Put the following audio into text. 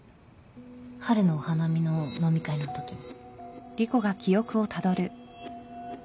春のお花見の飲み会のときに。